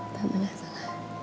tante gak salah